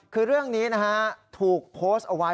คือเรื่องนี้นะฮะถูกโพสต์เอาไว้